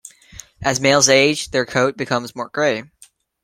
As males age, their coat becomes more grey.